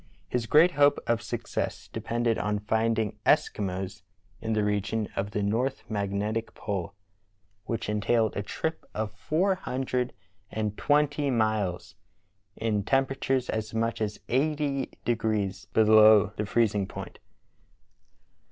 His great hope of success depended on finding Eskimos in the region of the north magnetic pole, which entailed a trip of four hundred and twenty miles, in temperatures as much as eighty degrees below the freezing point.